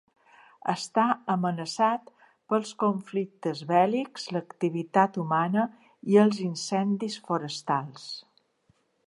Està amenaçat pels conflictes bèl·lics, l'activitat humana i els incendis forestals.